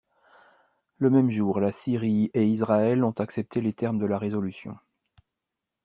Le même jour, la Syrie et Israël ont accepté les termes de la résolution.